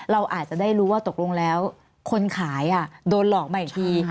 เราอาจจะได้รู้ว่าตกลงแล้วคนขายโดนหลอกมาอีกที